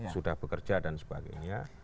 sudah bekerja dan sebagainya